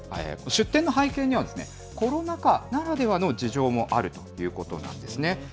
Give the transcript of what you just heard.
出店の背景にはですね、コロナ禍ならではの事情もあるということなんですね。